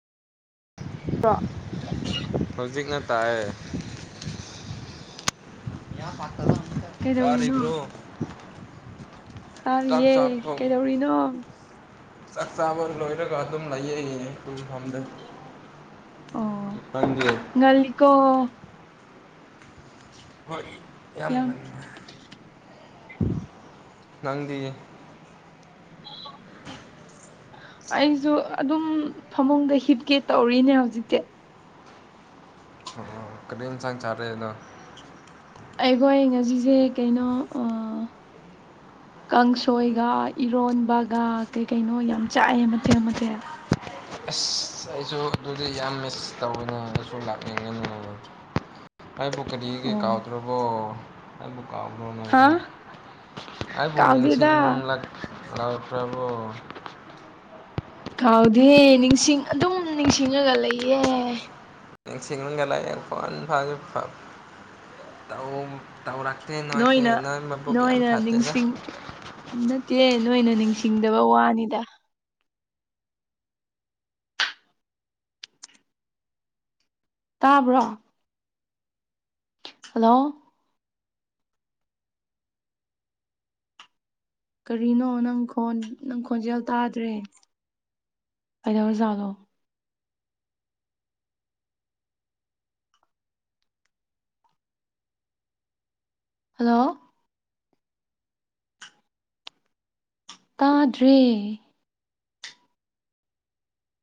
[unintelligible] ꯍꯧꯖꯤꯛꯅ ꯇꯥꯛꯑꯦ [inaudible] ꯀꯩꯗꯧꯔꯤꯅꯣ ꯆꯥꯔꯤꯕ꯭ꯔꯣ ꯇꯥꯔꯤꯌꯦ ꯀꯩꯗꯧꯔꯤꯅꯣ ꯆꯥꯛ ꯆꯥꯕ ꯂꯣꯏꯔꯒ ꯑꯗꯨꯝ ꯂꯩꯌꯦ [inaudible] ꯐꯝꯗꯅ ꯑꯣ ꯉꯜꯂꯤꯀꯣ ꯍꯣꯏ ꯌꯥꯝ ꯌꯥꯝꯉꯥꯟꯂꯦ ꯅꯪꯗꯤ [inaudible] ꯑꯩꯁꯨ ꯑꯗꯨꯝ ꯐꯃꯨꯡꯗ ꯍꯤꯞꯀꯦ ꯇꯧꯔꯤꯅꯦ ꯍꯧꯖꯤꯛꯇꯤ ꯑꯣ ꯀ꯭ꯔꯤꯝ ꯏꯝꯁꯥꯡ ꯆꯥꯔꯦꯅꯣ ꯑꯩꯈꯣꯏ ꯉꯁꯤꯁꯦ ꯀꯩꯅꯣ ꯑꯥ ꯀꯥꯡꯁꯣꯏꯒ ꯏꯔꯣꯟꯕꯒ ꯀꯩ ꯀꯩꯅꯣ ꯌꯥꯝ ꯆꯥꯛꯑꯦ ꯃꯊꯦꯜ ꯃꯊꯦꯜ ꯑꯁ ꯑꯩꯁꯨ ꯑꯗꯨꯗꯤ ꯌꯥꯝ ꯃꯤꯁ ꯇꯧꯋꯅꯦ ꯑꯗꯨꯁꯨ ꯂꯥꯛꯅꯤꯡꯉꯅꯦ ꯀꯥꯏꯕꯨ ꯀꯔꯤꯒꯦ ꯑꯣ ꯀꯥꯎꯇꯔꯕꯣ ꯑꯩꯕꯨ ꯀꯥꯎꯕ꯭ꯔꯣꯅꯦ ꯍꯥ ꯑꯩꯕꯨ ꯀꯥꯎꯗꯦꯗ ꯅꯤꯡꯁꯤꯡꯂꯛ ꯂꯥꯛꯇꯔꯕꯣ ꯀꯥꯎꯗꯦ ꯅꯤꯡꯁꯤꯡ ꯑꯗꯨꯝ ꯅꯤꯡꯁꯤꯡꯉꯒ ꯂꯩꯌꯦ ꯅꯤꯡꯁꯤꯡꯉꯒ ꯂꯩꯌꯦ ꯐꯣꯟ ꯐꯥꯁꯨ ꯐ ꯇꯧꯔꯛꯇꯦ ꯅꯣꯏꯁꯦ ꯅꯣꯏꯅ ꯅꯣꯏ ꯃꯕꯨꯛ ꯌꯥꯝ ꯅꯣꯏꯅ ꯐꯠꯇꯦꯗ ꯅꯤꯡꯁꯤꯡ ꯅꯠꯇꯦ ꯅꯣꯏꯅ ꯅꯤꯡꯁꯤꯡꯗꯕ ꯋꯥꯅꯤꯗ ꯇꯥꯕ꯭ꯔꯣ ꯍꯜꯂꯣ ꯀꯔꯤꯅꯣ ꯅꯪ ꯈ‌ꯣꯟ ꯅꯪ ꯈꯣꯟꯖꯦꯜ ꯇꯥꯗ꯭ꯔꯦ ꯀꯗꯧꯔ ꯖꯥꯠꯅ‌ꯣ ꯍꯜꯂꯣ ꯇꯥꯗ꯭ꯔ‌ꯦ